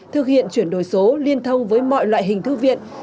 thực hiện chuyển đổi số liên thông với mọi loại hình thư viện